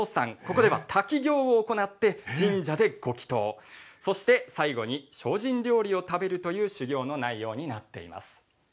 ここでは滝行を行って神社でご祈とうそして最後に精進料理を食べるという修行の内容になっています。